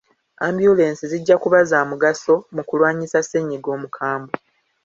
Ambyulensi zijja kuba za mugaso mu kulwanyisa Ssennyinga omukabwe.